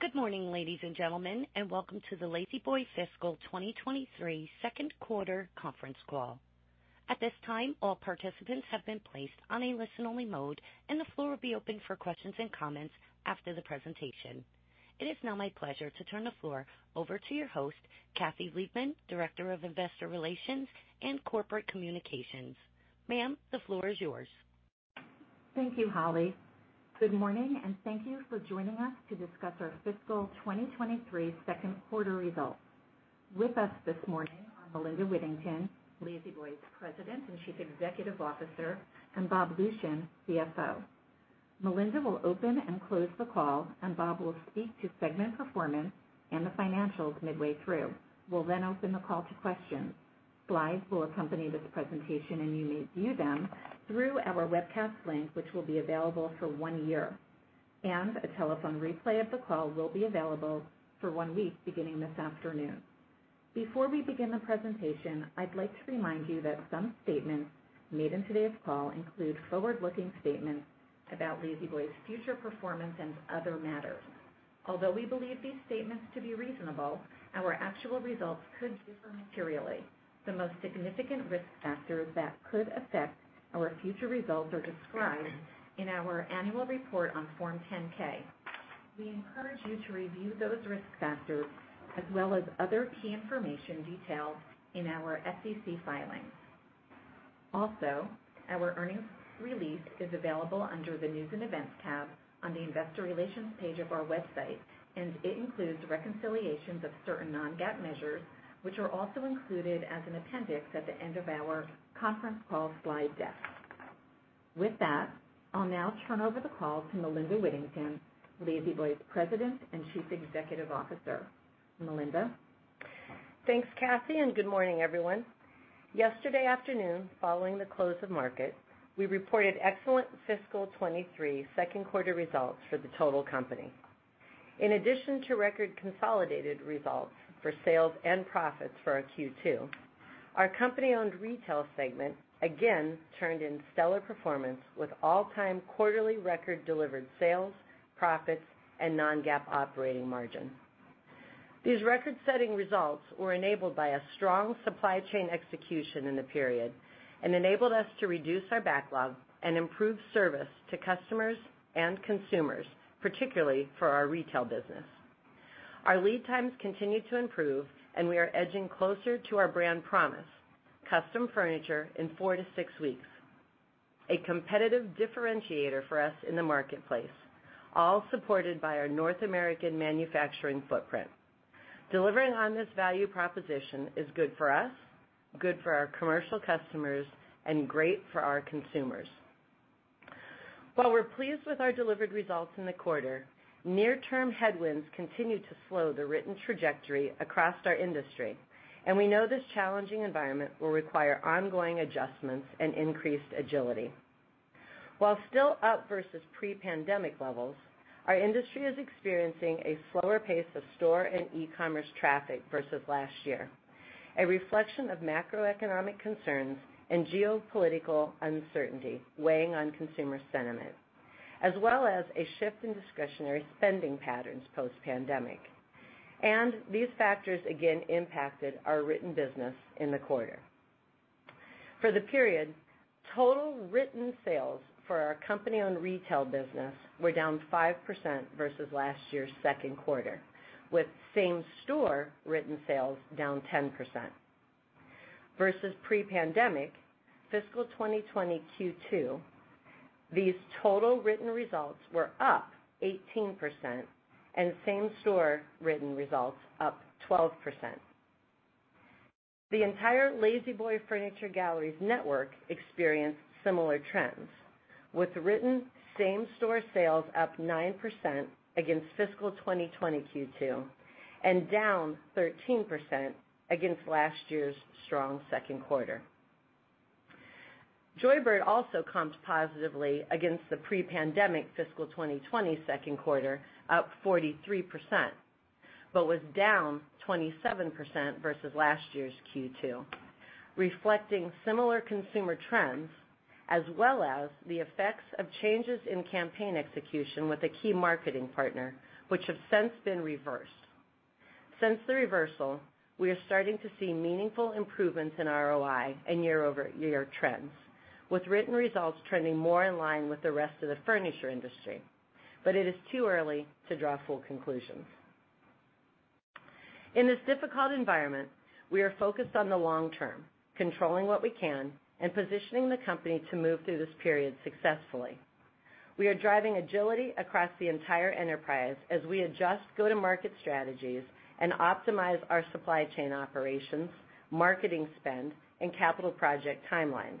Good morning, ladies and gentlemen, and welcome to the La-Z-Boy fiscal 2023 second quarter conference call. At this time, all participants have been placed on a listen-only mode, and the floor will be open for questions and comments after the presentation. It is now my pleasure to turn the floor over to your host, Kathy Liebmann, Director of Investor Relations and Corporate Communications. Ma'am, the floor is yours. Thank you, Holly. Good morning, and thank you for joining us to discuss our fiscal 2023 second-quarter results. With us this morning are Melinda Whittington, La-Z-Boy's President and Chief Executive Officer, and Bob Lucian, CFO. Melinda will open and close the call, and Bob will speak to segment performance and the financials midway through. We'll open the call to questions. Slides will accompany this presentation, and you may view them through our webcast link, which will be available for one year, and a telephone replay of the call will be available for one week beginning this afternoon. Before we begin the presentation, I'd like to remind you that some statements made in today's call include forward-looking statements about La-Z-Boy's future performance and other matters. Although we believe these statements to be reasonable, our actual results could differ materially. The most significant risk factors that could affect our future results are described in our annual report on Form 10-K. We encourage you to review those risk factors as well as other key information detailed in our SEC filings. Also, our earnings release is available under the News and Events tab on the Investor Relations page of our website, and it includes reconciliations of certain non-GAAP measures, which are also included as an appendix at the end of our conference call slide deck. With that, I'll now turn over the call to Melinda Whittington, La-Z-Boy's President and Chief Executive Officer. Melinda. Thanks, Kathy, and good morning, everyone. Yesterday afternoon, following the close of market, we reported excellent fiscal 2023 second-quarter results for the total company. In addition to record consolidated results for sales and profits for our Q2, our company-owned retail segment again turned in stellar performance with all-time quarterly record delivered sales, profits, and non-GAAP operating margin. These record-setting results were enabled by a strong supply chain execution in the period, and enabled us to reduce our backlog and improve service to customers and consumers, particularly for our retail business. Our lead times continue to improve, and we are edging closer to our brand promise, custom furniture in four to six weeks, a competitive differentiator for us in the marketplace, all supported by our North American manufacturing footprint. Delivering on this value proposition is good for us, good for our commercial customers, and great for our consumers. While we're pleased with our delivered results in the quarter, near-term headwinds continue to slow the written trajectory across our industry, and we know this challenging environment will require ongoing adjustments and increased agility. While still up versus pre-pandemic levels, our industry is experiencing a slower pace of store and e-commerce traffic versus last year, a reflection of macroeconomic concerns and geopolitical uncertainty weighing on consumer sentiment, as well as a shift in discretionary spending patterns post-pandemic. These factors again impacted our written business in the quarter. For the period, total written sales for our company-owned retail business were down 5% versus last year's second quarter, with same-store written sales down 10%. Versus pre-pandemic fiscal 2020 Q2, these total written results were up 18% and same-store written results up 12%. The entire La-Z-Boy Furniture Galleries network experienced similar trends, with written same-store sales up 9% against fiscal 2020 Q2 and down 13% against last year's strong second quarter. Joybird also comped positively against the pre-pandemic fiscal 2020 second quarter, up 43%, but was down 27% versus last year's Q2, reflecting similar consumer trends as well as the effects of changes in campaign execution with a key marketing partner, which have since been reversed. Since the reversal, we are starting to see meaningful improvements in ROI and year-over-year trends, with written results trending more in line with the rest of the furniture industry. It is too early to draw full conclusions. In this difficult environment, we are focused on the long term, controlling what we can, and positioning the company to move through this period successfully. We are driving agility across the entire enterprise as we adjust go-to-market strategies and optimize our supply chain operations, marketing spend, and capital project timelines.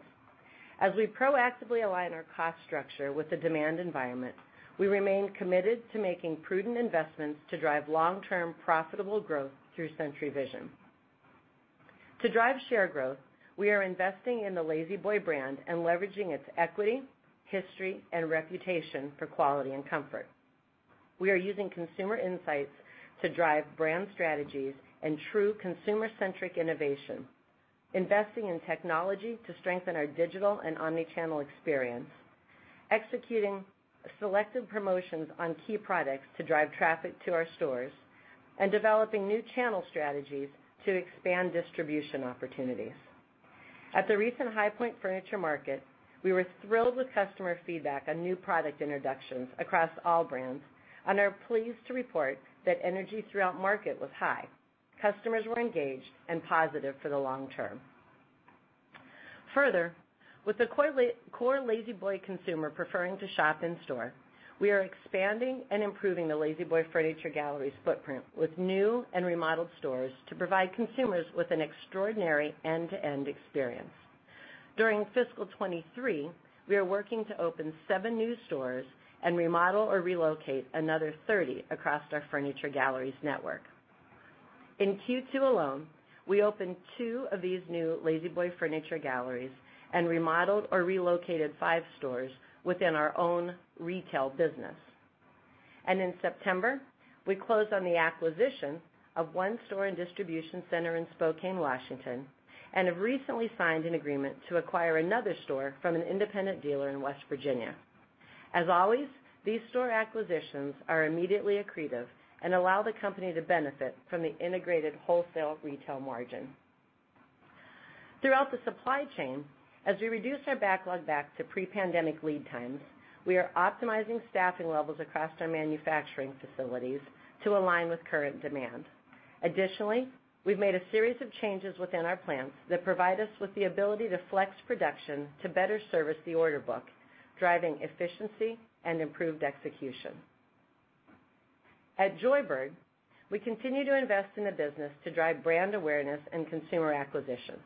As we proactively align our cost structure with the demand environment, we remain committed to making prudent investments to drive long-term profitable growth through Century Vision. To drive share growth, we are investing in the La-Z-Boy brand and leveraging its equity, history, and reputation for quality and comfort. We are using consumer insights to drive brand strategies and true consumer-centric innovation. Investing in technology to strengthen our digital and omni-channel experience, executing selective promotions on key products to drive traffic to our stores, and developing new channel strategies to expand distribution opportunities. At the recent High Point Furniture Market, we were thrilled with customer feedback on new product introductions across all brands and are pleased to report that energy throughout market was high. Customers were engaged and positive for the long term. Further, with the core La-Z-Boy consumer preferring to shop in-store, we are expanding and improving the La-Z-Boy Furniture Galleries' footprint with new and remodeled stores to provide consumers with an extraordinary end-to-end experience. During fiscal 2023, we are working to open seven new stores and remodel or relocate another 30 across our Furniture Galleries network. In Q2 alone, we opened two of these new La-Z-Boy Furniture Galleries and remodeled or relocated five stores within our own retail business. In September, we closed on the acquisition of one store and distribution center in Spokane, Washington, and have recently signed an agreement to acquire another store from an independent dealer in West Virginia. As always, these store acquisitions are immediately accretive and allow the company to benefit from the integrated wholesale-retail margin. Throughout the supply chain, as we reduce our backlog back to pre-pandemic lead times, we are optimizing staffing levels across our manufacturing facilities to align with current demand. Additionally, we've made a series of changes within our plants that provide us with the ability to flex production to better service the order book, driving efficiency and improved execution. At Joybird, we continue to invest in the business to drive brand awareness and consumer acquisition.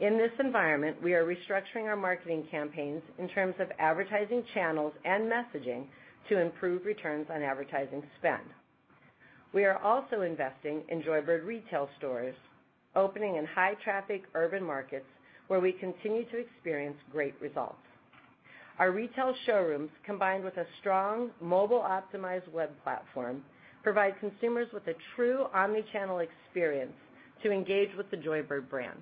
In this environment, we are restructuring our marketing campaigns in terms of advertising channels and messaging to improve returns on advertising spend. We are also investing in Joybird retail stores, opening in high-traffic urban markets where we continue to experience great results. Our retail showrooms, combined with a strong mobile-optimized web platform, provide consumers with a true omni-channel experience to engage with the Joybird brand.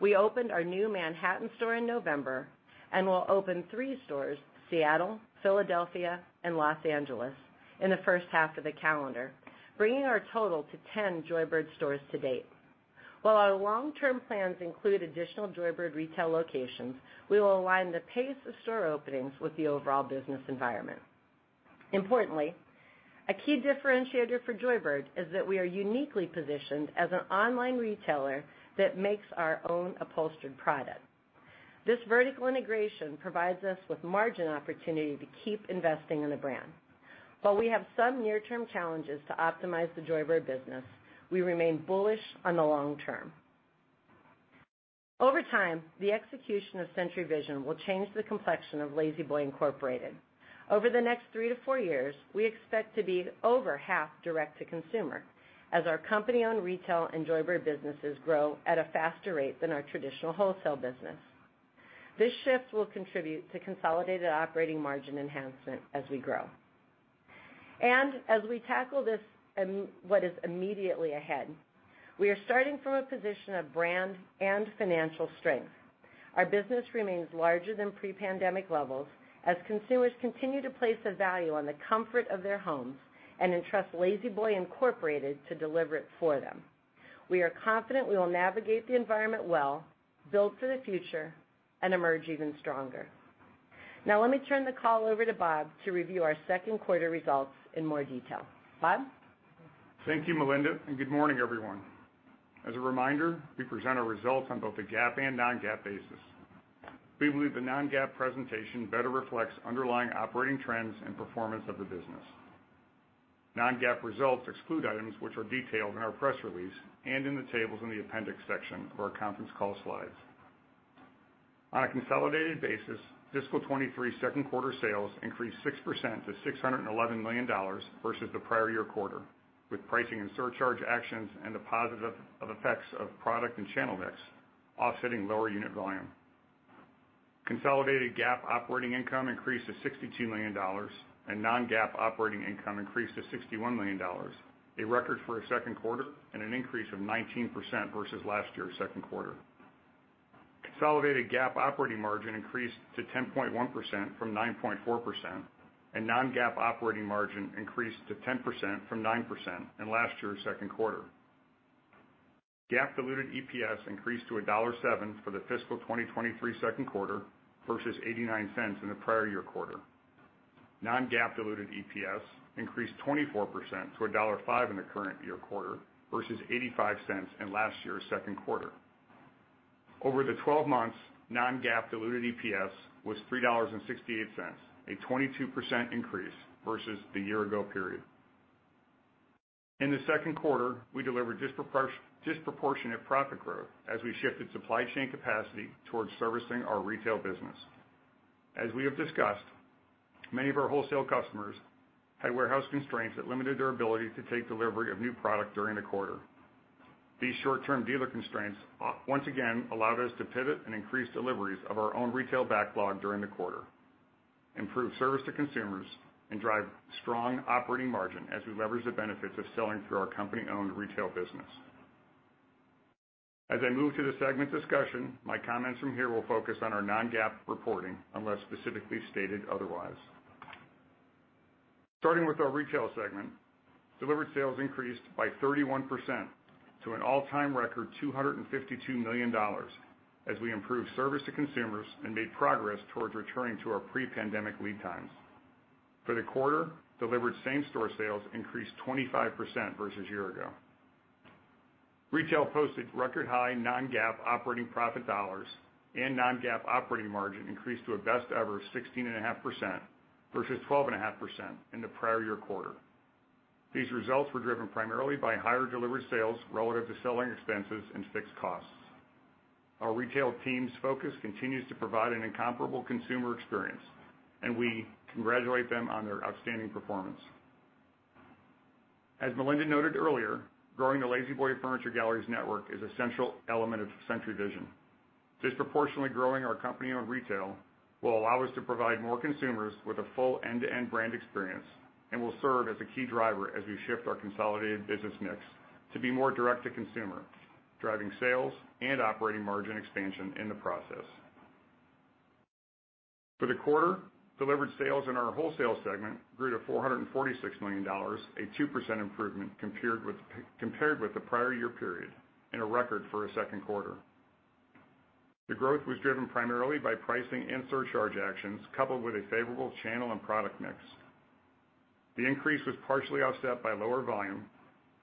We opened our new Manhattan store in November and will open three stores, Seattle, Philadelphia, and Los Angeles, in the first half of the calendar, bringing our total to 10 Joybird stores to date. While our long-term plans include additional Joybird retail locations, we will align the pace of store openings with the overall business environment. Importantly, a key differentiator for Joybird is that we are uniquely positioned as an online retailer that makes our own upholstered products. This vertical integration provides us with margin opportunity to keep investing in the brand. While we have some near-term challenges to optimize the Joybird business, we remain bullish on the long term. Over time, the execution of Century Vision will change the complexion of La-Z-Boy Incorporated. Over the next three to four years, we expect to be over half direct-to-consumer as our company-owned retail and Joybird businesses grow at a faster rate than our traditional wholesale business. This shift will contribute to consolidated operating margin enhancement as we grow. As we tackle what is immediately ahead, we are starting from a position of brand and financial strength. Our business remains larger than pre-pandemic levels as consumers continue to place a value on the comfort of their homes and entrust La-Z-Boy Incorporated to deliver it for them. We are confident we will navigate the environment well, build for the future, and emerge even stronger. Let me turn the call over to Bob to review our second quarter results in more detail. Bob? Thank you, Melinda. Good morning, everyone. As a reminder, we present our results on both a GAAP and non-GAAP basis. We believe the non-GAAP presentation better reflects underlying operating trends and performance of the business. Non-GAAP results exclude items which are detailed in our press release and in the tables in the appendix section of our conference call slides. On a consolidated basis, fiscal 2023 second quarter sales increased 6% to $611 million versus the prior year quarter, with pricing and surcharge actions and the positive of effects of product and channel mix offsetting lower unit volume. Consolidated GAAP operating income increased to $62 million, and non-GAAP operating income increased to $61 million, a record for a second quarter and an increase of 19% versus last year's second quarter. Consolidated GAAP operating margin increased to 10.1% from 9.4%, and non-GAAP operating margin increased to 10% from 9% in last year's second quarter. GAAP diluted EPS increased to $1.07 for the fiscal 2023 second quarter versus $0.89 in the prior year quarter. Non-GAAP diluted EPS increased 24% to $1.05 in the current year quarter versus $0.85 in last year's second quarter. Over the 12 months, non-GAAP diluted EPS was $3.68, a 22% increase versus the year ago period. In the second quarter, we delivered disproportionate profit growth as we shifted supply chain capacity towards servicing our retail business. As we have discussed, many of our wholesale customers had warehouse constraints that limited their ability to take delivery of new products during the quarter. These short-term dealer constraints once again allowed us to pivot and increase deliveries of our own retail backlog during the quarter. Improve service to consumers and drive strong operating margin as we leverage the benefits of selling through our company-owned retail business. I move to the segment discussion, my comments from here will focus on our non-GAAP reporting unless specifically stated otherwise. Starting with our retail segment, delivered sales increased by 31% to an all-time record $252 million as we improved service to consumers and made progress towards returning to our pre-pandemic lead times. For the quarter, delivered same-store sales increased 25% versus year ago. Retail posted record high non-GAAP operating profit dollars, and non-GAAP operating margin increased to a best ever 16.5% versus 12.5% in the prior year quarter. These results were driven primarily by higher delivery sales relative to selling expenses and fixed costs. Our retail team's focus continues to provide an incomparable consumer experience, and we congratulate them on their outstanding performance. As Melinda noted earlier, growing the La-Z-Boy Furniture Galleries network is a central element of Century Vision. Disproportionately growing our company-owned retail will allow us to provide more consumers with a full end-to-end brand experience and will serve as a key driver as we shift our consolidated business mix to be more direct-to-consumer, driving sales and operating margin expansion in the process. For the quarter, delivered sales in our wholesale segment grew to $446 million, a 2% improvement compared with the prior year period and a record for a second quarter. The growth was driven primarily by pricing and surcharge actions, coupled with a favorable channel and product mix. The increase was partially offset by lower volume,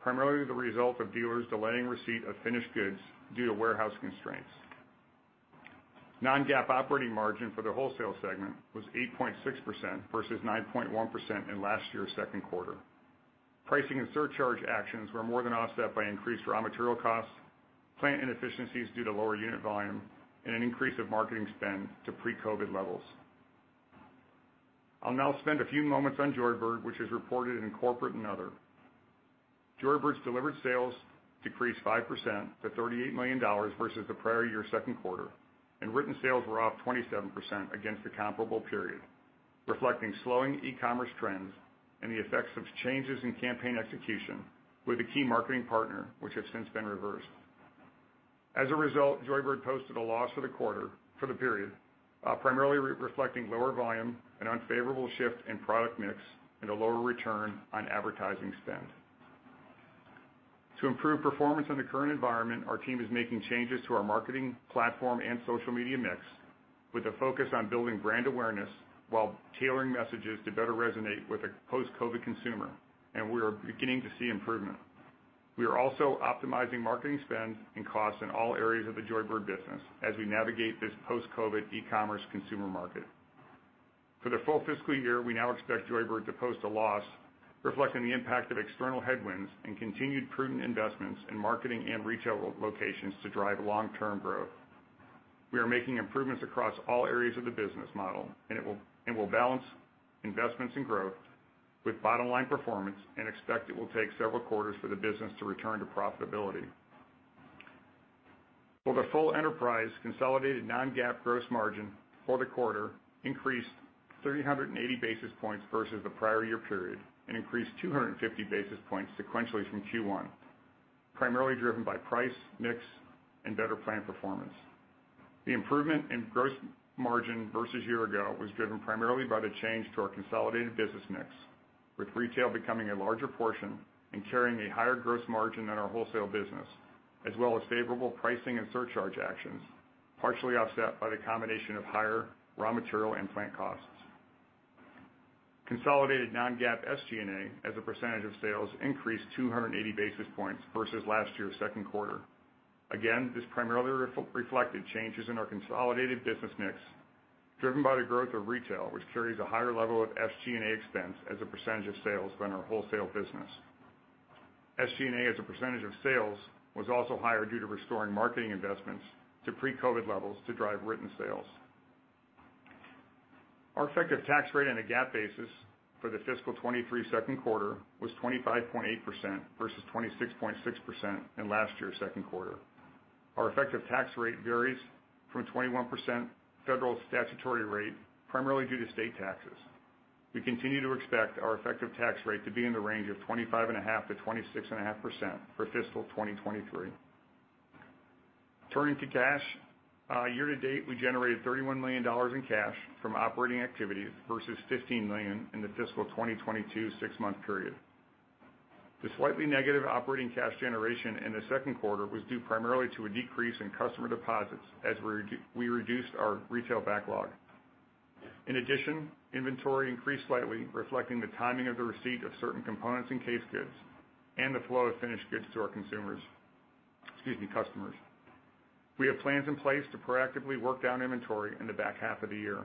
primarily the result of dealers delaying receipt of finished goods due to warehouse constraints. Non-GAAP operating margin for the wholesale segment was 8.6% versus 9.1% in last year's second quarter. Pricing and surcharge actions were more than offset by increased raw material costs, plant inefficiencies due to lower unit volume, and an increase of marketing spend to pre-COVID levels. I'll now spend a few moments on Joybird, which is reported in corporate and other. Joybird's delivered sales decreased 5% to $38 million versus the prior year's second quarter, and written sales were off 27% against the comparable period, reflecting slowing e-commerce trends and the effects of changes in campaign execution with a key marketing partner, which have since been reversed. As a result, Joybird posted a loss for the period, primarily reflecting lower volume, an unfavorable shift in product mix, and a lower return on advertising spend. To improve performance in the current environment, our team is making changes to our marketing platform and social media mix with a focus on building brand awareness while tailoring messages to better resonate with a post-COVID consumer, and we are beginning to see improvement. We are also optimizing marketing spend and costs in all areas of the Joybird business as we navigate this post-COVID e-commerce consumer market. For the full fiscal year, we now expect Joybird to post a loss reflecting the impact of external headwinds and continued prudent investments in marketing and retail locations to drive long-term growth. We are making improvements across all areas of the business model, it will balance investments in growth with bottom-line performance and expect it will take several quarters for the business to return to profitability. For the full enterprise, consolidated non-GAAP gross margin for the quarter increased 380 basis points versus the prior year period and increased 250 basis points sequentially from Q1, primarily driven by price, mix, and better plant performance. The improvement in gross margin versus year ago was driven primarily by the change to our consolidated business mix, with retail becoming a larger portion and carrying a higher gross margin than our wholesale business, as well as favorable pricing and surcharge actions, partially offset by the combination of higher raw material and plant costs. Consolidated non-GAAP SG&A as a percentage of sales increased 280 basis points versus last year's second quarter. This primarily reflected changes in our consolidated business mix, driven by the growth of retail, which carries a higher level of SG&A expense as a percentage of sales than our wholesale business. SG&A as a percentage of sales was also higher due to restoring marketing investments to pre-COVID levels to drive written sales. Our effective tax rate on a GAAP basis for the fiscal 2023 second quarter was 25.8% versus 26.6% in last year's second quarter. Our effective tax rate varies from a 21% federal statutory rate, primarily due to state taxes. We continue to expect our effective tax rate to be in the range of 25.5%-26.5% for fiscal 2023. Turning to cash. Year to date, we generated $31 million in cash from operating activities versus $15 million in the fiscal 2022 six-month period. The slightly negative operating cash generation in the second quarter was due primarily to a decrease in customer deposits as we reduced our retail backlog. In addition, inventory increased slightly, reflecting the timing of the receipt of certain components and case goods and the flow of finished goods to our consumers. Excuse me, customers. We have plans in place to proactively work down inventory in the back half of the year.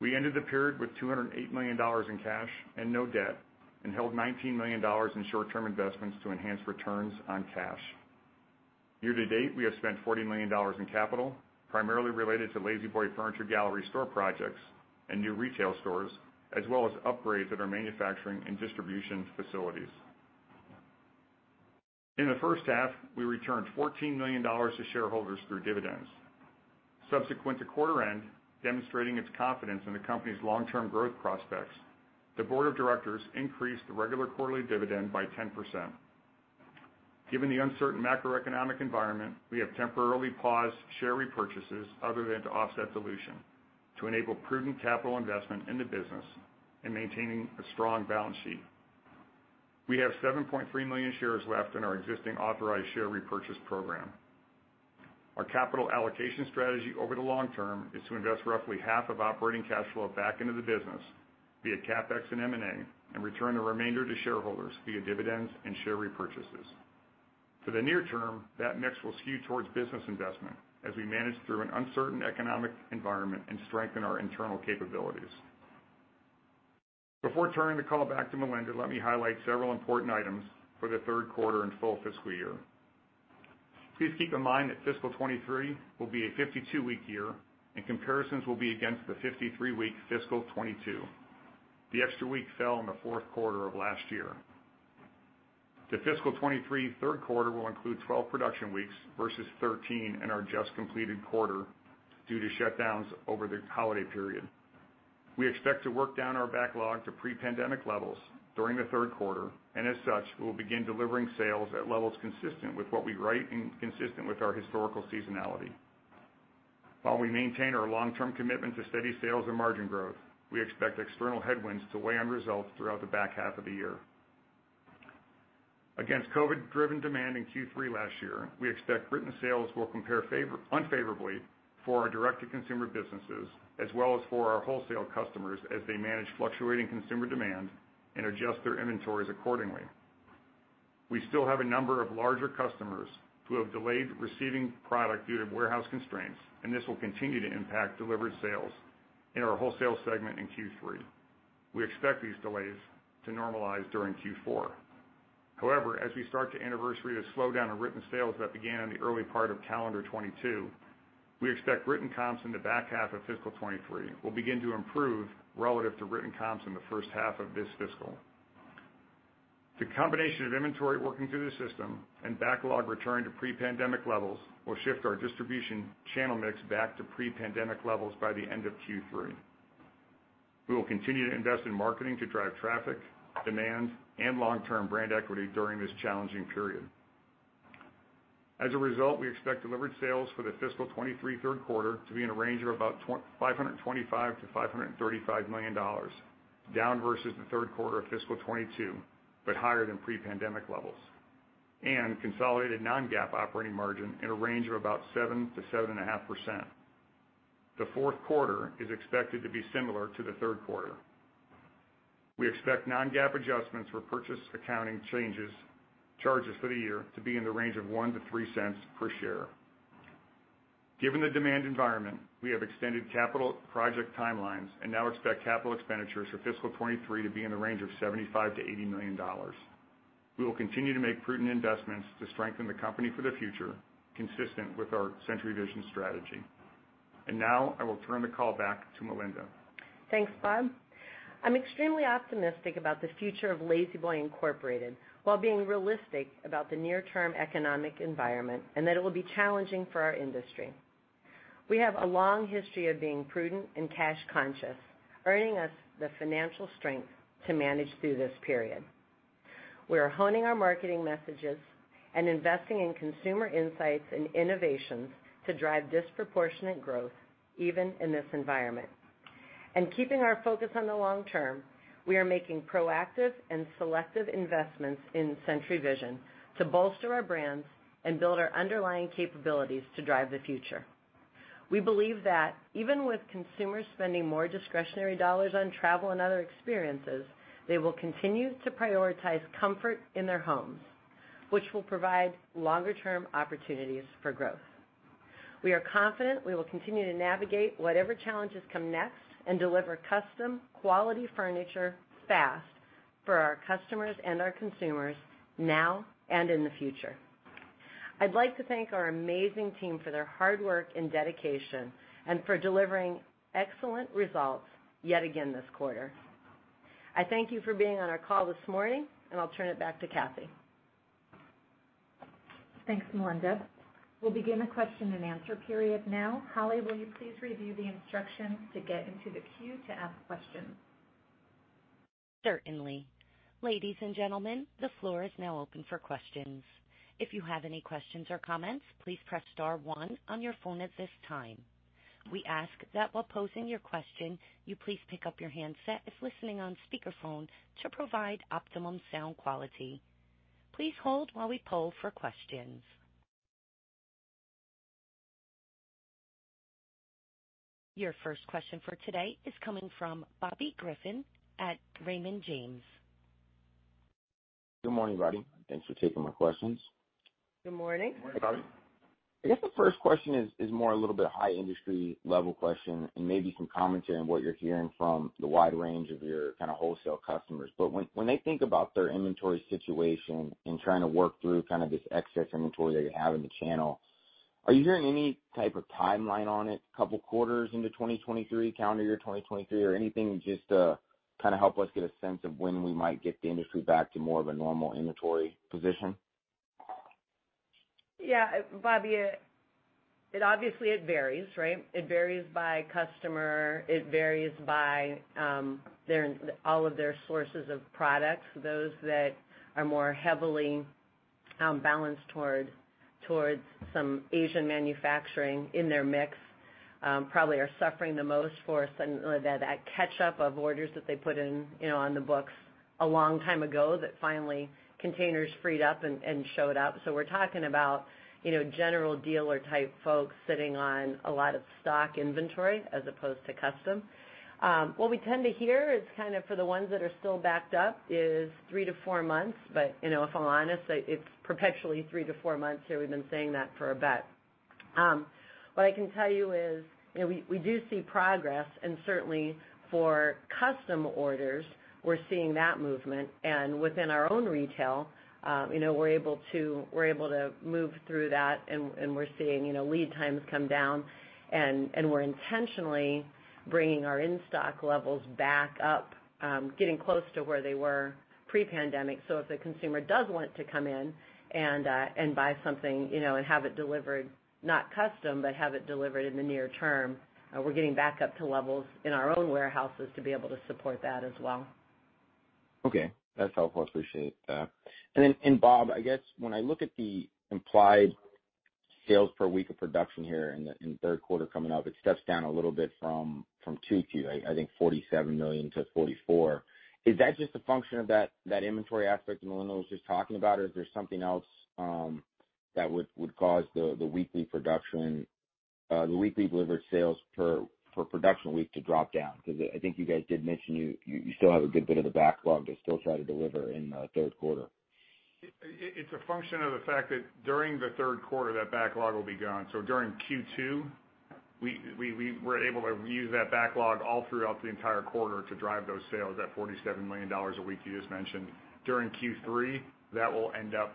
We ended the period with $208 million in cash and no debt, and held $19 million in short-term investments to enhance returns on cash. Year to date, we have spent $40 million in capital, primarily related to La-Z-Boy Furniture Gallery store projects and new retail stores, as well as upgrades at our manufacturing and distribution facilities. In the first half, we returned $14 million to shareholders through dividends. Subsequent to quarter-end, demonstrating its confidence in the company's long-term growth prospects, the board of directors increased the regular quarterly dividend by 10%. Given the uncertain macroeconomic environment, we have temporarily paused share repurchases other than to offset dilution to enable prudent capital investment in the business and maintaining a strong balance sheet. We have 7.3 million shares left in our existing authorized share repurchase program. Our capital allocation strategy over the long term is to invest roughly half of operating cash flow back into the business via CapEx and M&A and return the remainder to shareholders via dividends and share repurchases. For the near term, that mix will skew towards business investment as we manage through an uncertain economic environment and strengthen our internal capabilities. Before turning the call back to Melinda, let me highlight several important items for the third quarter and full fiscal year. Please keep in mind that fiscal 2023 will be a 52-week year and comparisons will be against the 53-week fiscal 2022. The extra week fell in the fourth quarter of last year. The fiscal 2023 third quarter will include 12 production weeks versus 13 in our just completed quarter due to shutdowns over the holiday period. We expect to work down our backlog to pre-pandemic levels during the third quarter, and as such, we will begin delivering sales at levels consistent with what we write and consistent with our historical seasonality. While we maintain our long-term commitment to steady sales and margin growth, we expect external headwinds to weigh on results throughout the back half of the year. Against COVID-driven demand in Q3 last year, we expect written sales will compare unfavorably for our direct-to-consumer businesses, as well as for our wholesale customers as they manage fluctuating consumer demand and adjust their inventories accordingly. We still have a number of larger customers who have delayed receiving product due to warehouse constraints, and this will continue to impact delivered sales in our wholesale segment in Q3. We expect these delays to normalize during Q4. However, as we start to anniversary the slowdown in written sales that began in the early part of calendar 2022, we expect written comps in the back half of fiscal 2023 will begin to improve relative to written comps in the first half of this fiscal. The combination of inventory working through the system and backlog returning to pre-pandemic levels will shift our distribution channel mix back to pre-pandemic levels by the end of Q3. We will continue to invest in marketing to drive traffic, demand, and long-term brand equity during this challenging period. As a result, we expect delivered sales for the fiscal 2023 third quarter to be in a range of about $525 million-$535 million, down versus the third quarter of fiscal 2022, but higher than pre-pandemic levels, and consolidated non-GAAP operating margin in a range of about 7%-7.5%. The fourth quarter is expected to be similar to the third quarter. We expect non-GAAP adjustments for purchase accounting charges for the year to be in the range of $0.01-$0.03 per share. Given the demand environment, we have extended capital project timelines and now expect capital expenditures for fiscal 2023 to be in the range of $75 million-$80 million. We will continue to make prudent investments to strengthen the company for the future, consistent with our Century Vision strategy. Now, I will turn the call back to Melinda. Thanks, Bob. I'm extremely optimistic about the future of La-Z-Boy Incorporated while being realistic about the near-term economic environment and that it will be challenging for our industry. We have a long history of being prudent and cash conscious, earning us the financial strength to manage through this period. We are honing our marketing messages and investing in consumer insights and innovations to drive disproportionate growth even in this environment. Keeping our focus on the long term, we are making proactive and selective investments in Century Vision to bolster our brands and build our underlying capabilities to drive the future. We believe that even with consumers spending more discretionary dollars on travel and other experiences, they will continue to prioritize comfort in their homes, which will provide longer-term opportunities for growth. We are confident we will continue to navigate whatever challenges come next and deliver custom, quality furniture fast for our customers and our consumers now and in the future. I'd like to thank our amazing team for their hard work and dedication and for delivering excellent results yet again this quarter. I thank you for being on our call this morning. I'll turn it back to Kathy. Thanks, Melinda. We'll begin the question and answer period now. Holly, will you please review the instructions to get into the queue to ask questions? Certainly. Ladies and gentlemen, the floor is now open for questions. If you have any questions or comments, please press star one on your phone at this time. We ask that while posing your question, you please pick up your handset if listening on speakerphone to provide optimum sound quality. Please hold while we poll for questions. Your first question for today is coming from Bobby Griffin at Raymond James. Good morning, everybody. Thanks for taking my questions. Good morning. Morning, Bobby. I guess the first question is more a little bit high industry level question and maybe some commentary on what you're hearing from the wide range of your kinda wholesale customers. When they think about their inventory situation and trying to work through kind of this excess inventory that you have in the channel? Are you hearing any type of timeline on it, couple quarters into 2023, calendar year 2023 or anything? Just to kind of help us get a sense of when we might get the industry back to more of a normal inventory position. Yeah, Bobby, it obviously it varies, right? It varies by customer, it varies by, their, all of their sources of products. Those that are more heavily, balanced toward, towards some Asian manufacturing in their mix, probably are suffering the most for suddenly that catch-up of orders that they put in, you know, on the books a long time ago that finally containers freed up and showed up. We're talking about, you know, general dealer type folks sitting on a lot of stock inventory as opposed to custom. What we tend to hear is kind of for the ones that are still backed up is three to four months. You know, if I'm honest, it's perpetually three to four months here. We've been saying that for a bit. What I can tell you is, you know, we do see progress, and certainly for custom orders, we're seeing that movement. Within our own retail, you know, we're able to, we're able to move through that and we're seeing, you know, lead times come down and we're intentionally bringing our in-stock levels back up, getting close to where they were pre-pandemic. If the consumer does want to come in and buy something, you know, and have it delivered, not custom, but have it delivered in the near term, we're getting back up to levels in our own warehouses to be able to support that as well. Okay. That's helpful. Appreciate that. Then, Bob, I guess when I look at the implied sales per week of production here in the third quarter coming up, it steps down a little bit from 2Q, I think $47 million to $44 million. Is that just a function of that inventory aspect Melinda was just talking about, or is there something else that would cause the weekly production, the weekly delivered sales per production week to drop down? Because I think you guys did mention you still have a good bit of the backlog to still try to deliver in the third quarter. It's a function of the fact that during the third quarter, that backlog will be gone. During Q2, we were able to use that backlog all throughout the entire quarter to drive those sales at $47 million a week you just mentioned. During Q3, that will end up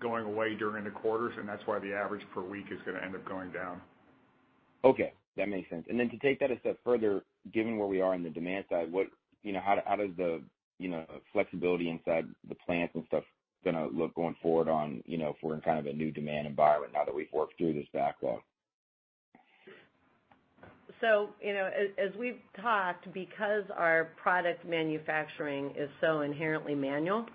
going away during the quarters. That's why the average per week is gonna end up going down. Okay, that makes sense. Then to take that a step further, given where we are in the demand side, you know, how does the, you know, flexibility inside the plants and stuff gonna look going forward on, you know, if we're in kind of a new demand environment now that we've worked through this backlog? You know, as we've talked, because our product manufacturing is so inherently manual,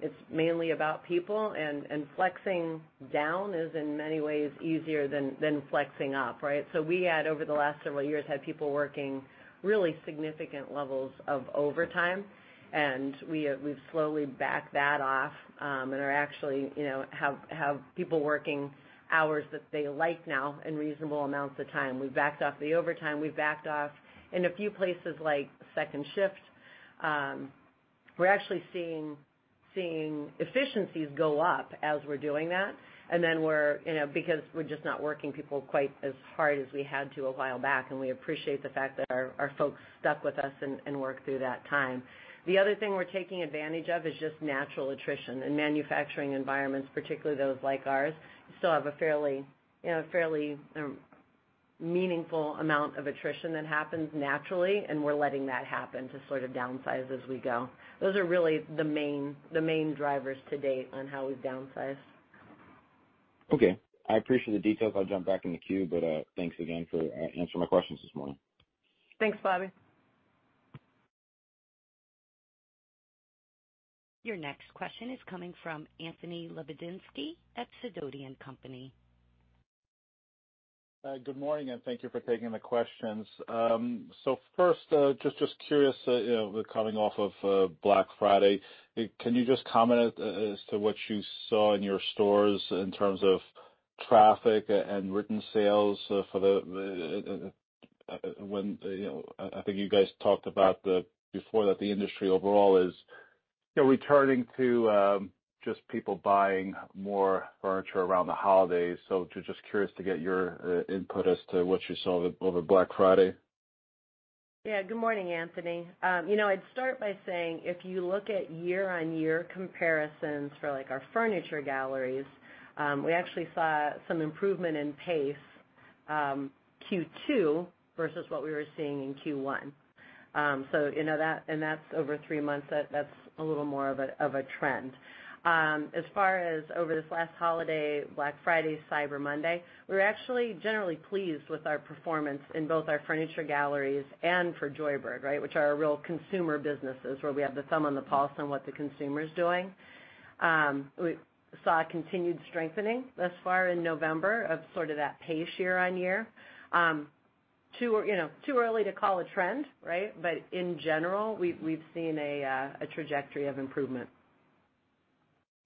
it's mainly about people, and flexing down is in many ways easier than flexing up, right? We had over the last several years, had people working really significant levels of overtime, and we have slowly backed that off, and are actually, you know, have people working hours that they like now in reasonable amounts of time. We backed off the overtime. We backed off in a few places like second shift. We're actually seeing efficiencies go up as we're doing that. We're, you know, because we're just not working people quite as hard as we had to a while back, and we appreciate the fact that our folks stuck with us and worked through that time. The other thing we're taking advantage of is just natural attrition. In manufacturing environments, particularly those like ours, you still have a fairly, you know, meaningful amount of attrition that happens naturally, and we're letting that happen to sort of downsize as we go. Those are really the main drivers to date on how we've downsized. Okay. I appreciate the details. I'll jump back in the queue, but thanks again for answering my questions this morning. Thanks, Bobby. Your next question is coming from Anthony Lebiedzinski at Sidoti & Company. Good morning, thank you for taking the questions. First, just curious, you know, with coming off of Black Friday, can you just comment as to what you saw in your stores in terms of traffic and written sales for the, when, you know, I think you guys talked about the, before that the industry overall is, you know, returning to, just people buying more furniture around the holidays? Just curious to get your input as to what you saw over Black Friday? Yeah. Good morning, Anthony. You know, I'd start by saying if you look at year-on-year comparisons for like our furniture galleries, we actually saw some improvement in pace, Q2 versus what we were seeing in Q1. You know that, and that's over three months, that's a little more of a trend. As far as over this last holiday, Black Friday, Cyber Monday, we're actually generally pleased with our performance in both our furniture galleries and for Joybird, right? Which are our real consumer businesses, where we have the thumb on the pulse on what the consumer's doing. We saw a continued strengthening thus far in November of sort of that pace year-on-year. You know, too early to call a trend, right? In general, we've seen a trajectory of improvement.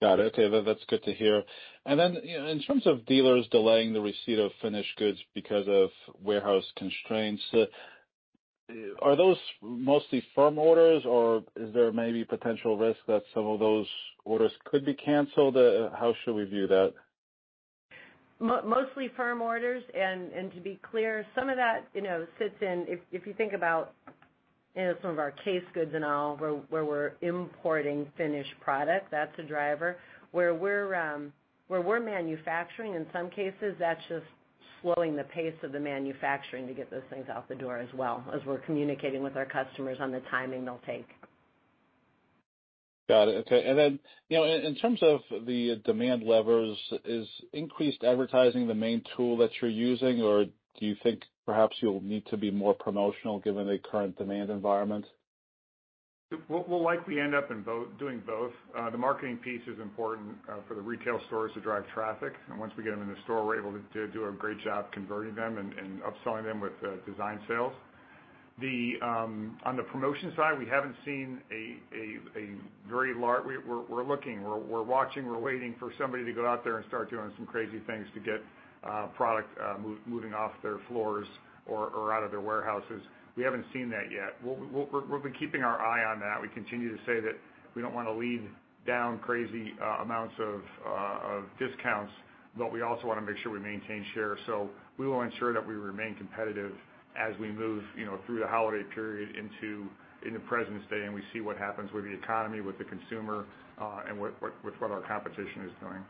Got it. Okay. That's good to hear. Then, you know, in terms of dealers delaying the receipt of finished goods because of warehouse constraints, are those mostly firm orders, or is there maybe potential risk that some of those orders could be canceled? How should we view that? Mostly firm orders. To be clear, some of that, you know, if you think about some of our case goods and all where we're importing finished product, that's a driver. Where we're manufacturing, in some cases, that's just slowing the pace of the manufacturing to get those things out the door as well as we're communicating with our customers on the timing they'll take. Got it. Okay. Then, you know, in terms of the demand levers, is increased advertising the main tool that you're using, or do you think perhaps you'll need to be more promotional given the current demand environment? We'll likely end up doing both. The marketing piece is important for the retail stores to drive traffic. Once we get them in the store, we're able to do a great job converting them and upselling them with design sales. On the promotion side, we haven't seen a very large... We're looking, we're watching, we're waiting for somebody to go out there and start doing some crazy things to get product moving off their floors or out of their warehouses. We haven't seen that yet. We've been keeping our eye on that. We continue to say that we don't wanna lead down crazy amounts of discounts, but we also wanna make sure we maintain share. We will ensure that we remain competitive as we move, you know, through the holiday period in the present day, and we see what happens with the economy, with the consumer, and what, with what our competition is doing.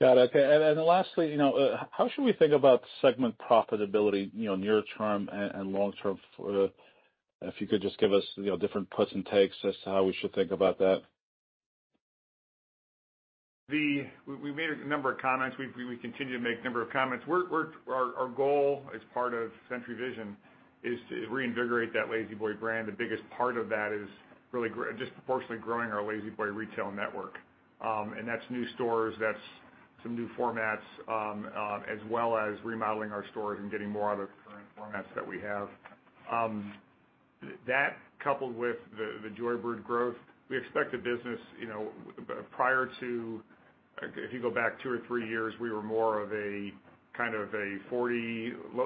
Got it. Okay. Lastly, you know, how should we think about segment profitability, you know, near term and long term for the...? If you could just give us, you know, different puts and takes as to how we should think about that. We made a number of comments. We continue to make number of comments. Our goal as part of Century Vision is to reinvigorate that La-Z-Boy brand. The biggest part of that is really disproportionately growing our La-Z-Boy retail network. That's new stores, that's some new formats, as well as remodeling our stores and getting more out of the current formats that we have. That coupled with the Joybird growth, we expect the business, you know, prior to... If you go back two or three years, we were more of a, kind of a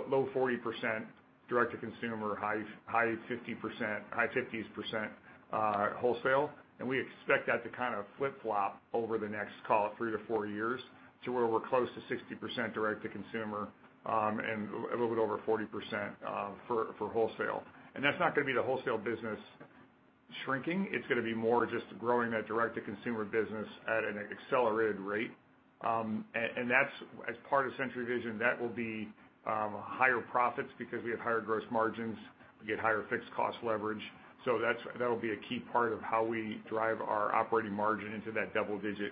low 40% direct to consumer, high 50%, high 50s% wholesale. We expect that to kind of flip-flop over the next, call it 3-4 years, to where we're close to 60% direct to consumer, and a little bit over 40% for wholesale. That's not gonna be the wholesale business shrinking. It's gonna be more just growing that direct to consumer business at an accelerated rate. That's, as part of Century Vision, that will be higher profits because we have higher gross margins, we get higher fixed cost leverage. That'll be a key part of how we drive our operating margin into that double-digit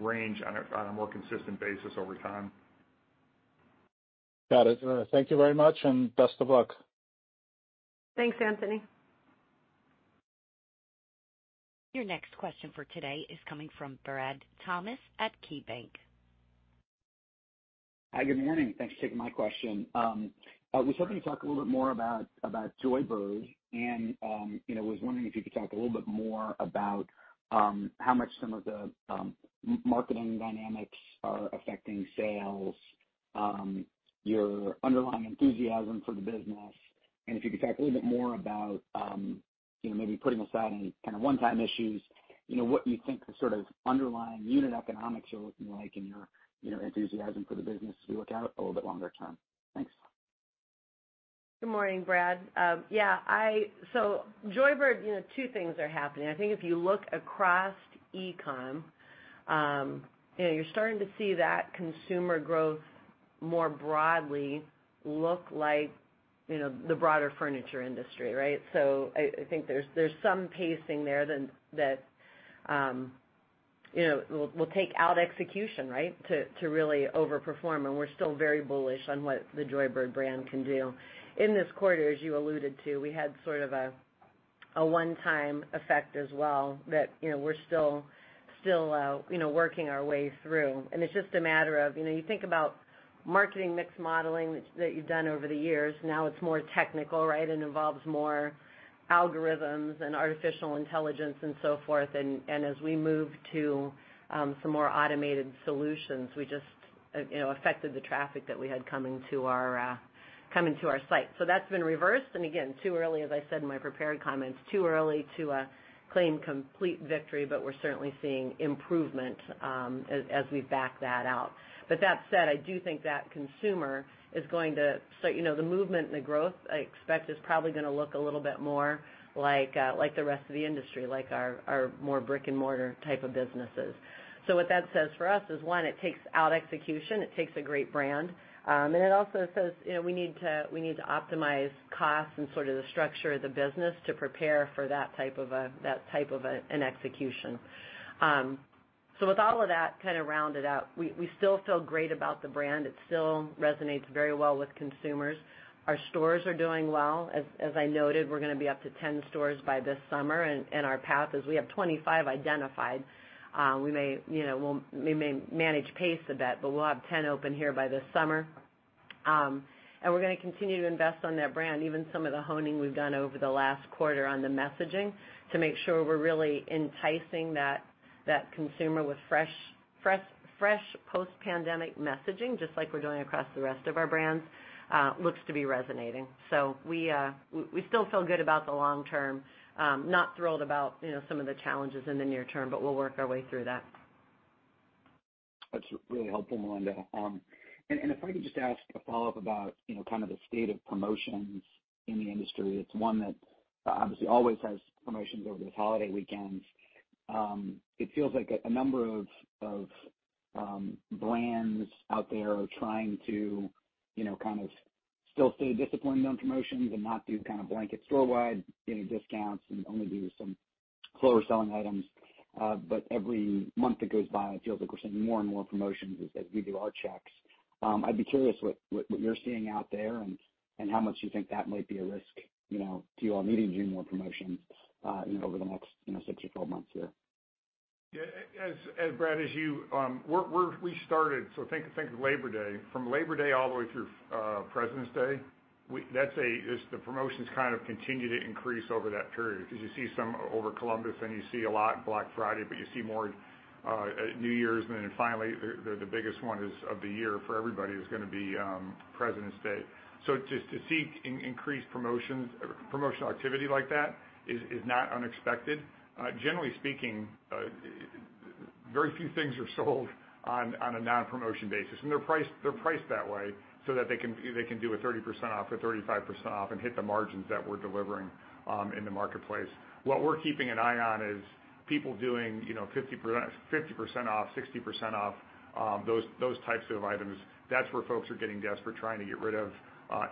range on a more consistent basis over time. Got it. Thank you very much, and best of luck. Thanks, Anthony. Your next question for today is coming from Brad Thomas at KeyBanc. Hi, good morning. Thanks for taking my question. I was hoping you'd talk a little bit more about Joybird. you know, was wondering if you could talk a little bit more about how much some of the marketing dynamics are affecting sales, your underlying enthusiasm for the business, and if you could talk a little bit more about you know, maybe putting aside any kind of one-time issues, you know, what you think the sort of underlying unit economics are looking like in your, you know, enthusiasm for the business as we look out a little bit longer term. Thanks. Good morning, Brad. Yeah, Joybird, you know, two things are happening. I think if you look across e-com, you know, you're starting to see that consumer growth more broadly look like, you know, the broader furniture industry, right? I think there's some pacing there that, you know, will take out execution, right, to really overperform. We're still very bullish on what the Joybird brand can do. In this quarter, as you alluded to, we had sort of a one-time effect as well that, you know, we're still working our way through. It's just a matter of, you know, you think about marketing mix modeling that you've done over the years. Now it's more technical, right, and involves more algorithms and artificial intelligence and so forth. As we move to some more automated solutions, we just, you know, affected the traffic that we had coming to our site. That's been reversed. Again, too early, as I said in my prepared comments, too early to claim complete victory, but we're certainly seeing improvement as we back that out. That said, I do think that consumer is going to... you know, the movement and the growth, I expect, is probably gonna look a little bit more like the rest of the industry, like our more brick-and-mortar type of businesses. What that says for us is, one, it takes out execution, it takes a great brand. It also says, you know, we need to, we need to optimize costs and sort of the structure of the business to prepare for that type of a, that type of a, an execution. With all of that kind of rounded out, we still feel great about the brand. It still resonates very well with consumers. Our stores are doing well. As I noted, we're going to be up to 10 stores by this summer, and our path is we have 25 identified. We may, you know, we may manage pace a bit, but we'll have 10 open here by this summer. We're going to continue to invest on that brand. Even some of the honing we've done over the last quarter on the messaging to make sure we're really enticing that consumer with fresh post-pandemic messaging, just like we're doing across the rest of our brands, looks to be resonating. We still feel good about the long term. Not thrilled about, you know, some of the challenges in the near term, but we'll work our way through that. That's really helpful, Melinda. If I could just ask a follow-up about, you know, kind of the state of promotions in the industry. It's one that obviously always has promotions over those holiday weekends. It feels like a number of brands out there are trying to, you know, kind of still stay disciplined on promotions and not do kind of blanket storewide, you know, discounts and only do some slower selling items. Every month that goes by, it feels like we're seeing more and more promotions as we do our checks. I'd be curious what you're seeing out there and how much you think that might be a risk, you know, to you all needing to do more promotions, you know, over the next, you know, 6-12 months here? As Brad, as you, We started, think Labor Day. From Labor Day all the way through President's Day, it's the promotions kind of continue to increase over that period because you see some over Columbus and you see a lot Black Friday, you see more at New Year's. Finally, the biggest one is, of the year for everybody is gonna be President's Day. To see increased promotions or promotional activity like that is not unexpected. Generally speaking, very few things are sold on a non-promotion basis. They're priced that way so that they can do a 30% off, a 35% off and hit the margins that we're delivering in the marketplace. What we're keeping an eye on is people doing, you know, 50% off, 60% off, those types of items. That's where folks are getting desperate, trying to get rid of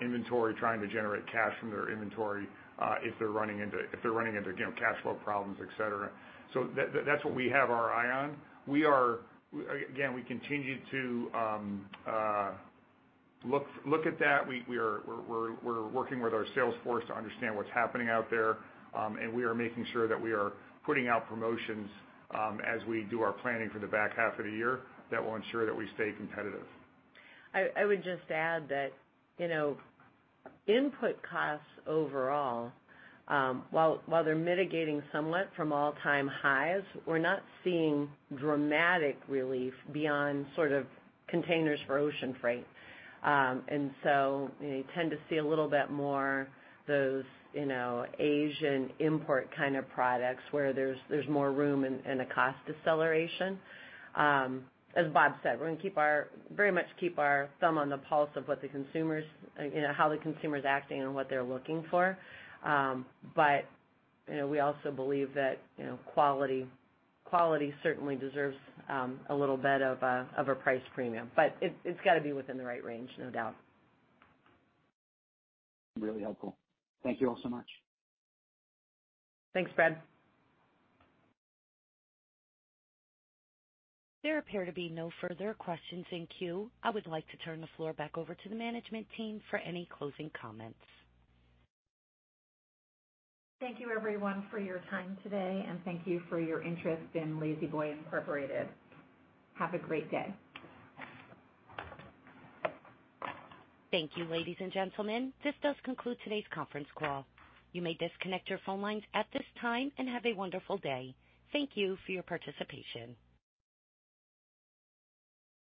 inventory, trying to generate cash from their inventory, if they're running into, you know, cash flow problems, et cetera. That, that's what we have our eye on. Again, we continue to look at that. We are, we're working with our sales force to understand what's happening out there. We are making sure that we are putting out promotions as we do our planning for the back half of the year that will ensure that we stay competitive. I would just add that, you know, input costs overall, while they're mitigating somewhat from all-time highs, we're not seeing dramatic relief beyond sort of containers for ocean freight. You know, you tend to see a little bit more of those, you know, Asian import kind of products where there's more room and a cost deceleration. As Bob said, we're gonna very much keep our thumb on the pulse of what the consumers, you know, how the consumer's acting and what they're looking for. You know, we also believe that, you know, quality certainly deserves a little bit of a price premium. It's gotta be within the right range, no doubt. Really helpful. Thank you all so much. Thanks, Brad. There appear to be no further questions in queue. I would like to turn the floor back over to the management team for any closing comments. Thank you, everyone, for your time today, and thank you for your interest in La-Z-Boy Incorporated. Have a great day. Thank you, ladies and gentlemen. This does conclude today's conference call. You may disconnect your phone lines at this time and have a wonderful day. Thank you for your participation.